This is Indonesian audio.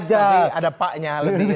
jadi ada pak amin rais